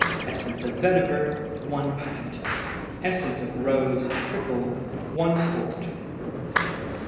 Essence of vetiver 1 pint. Essence of rose (triple) 1 qt.